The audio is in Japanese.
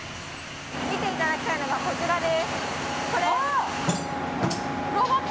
見ていただきたいのはこちらです。